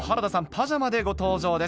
パジャマでご登場です。